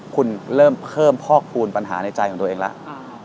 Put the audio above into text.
คุณเริ่มเพิ่มพอกคูณปัญหาในใจของตัวเองแล้ว